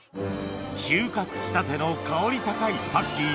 収穫したての香り高いパクチー